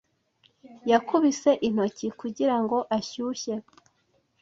Yakubise intoki kugirango ashyushye.